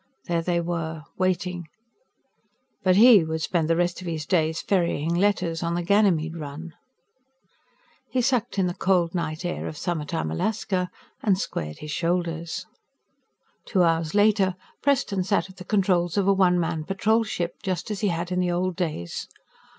There they were waiting. But he would spend the rest of his days ferrying letters on the Ganymede run. He sucked in the cold night air of summertime Alaska and squared his shoulders. Two hours later, Preston sat at the controls of a one man patrol ship just as he had in the old days.